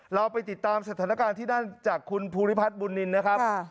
เราไปติดตามสถานการณ์ที่นั่นจากคุณภูริพัฒน์บุญนินนะครับ